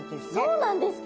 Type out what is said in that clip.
そうなんですか？